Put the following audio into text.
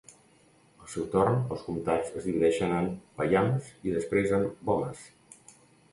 Al seu torn, els comtats es divideixen en "Payams" i, després, en "Bomas".